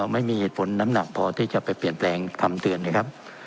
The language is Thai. ไม่มีเหตุผลน้ำหนักพอที่จะไปเปลี่ยนแปลงคำเตือนนะครับ